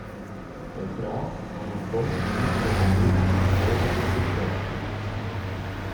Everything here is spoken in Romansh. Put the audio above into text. Cheutras sa igl affon vegnir promovius a moda adequata.